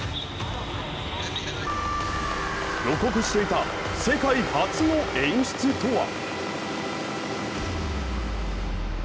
予告していた世界初の演出とは？